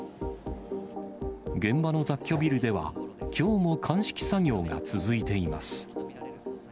現場の雑居ビルでは、きょうも鑑識作業が続いています。